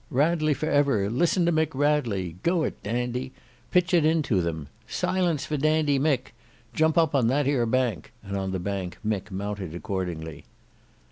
"Radley for ever! Listen to Mick Radley! Go it Dandy! Pitch it into them! Silence for Dandy Mick! Jump up on that ere bank," and on the bank Mick mounted accordingly.